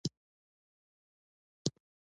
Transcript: ستا هغه لیک را ورسېدی.